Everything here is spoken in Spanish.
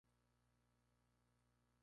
La garganta es un popular destino de recreo.